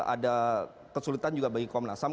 ada kesulitan juga bagi komnasam